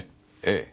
ええ。